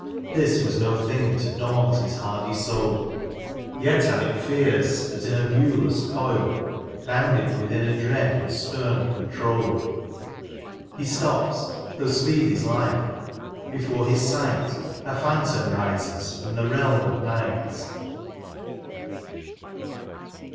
This was no thing to daunt his hardy soul; Yet had it fears that in a viewless coil Bound it within a dread and stem control. He stops ; though speed is hfe, before his sight A phantom rises from the realm of night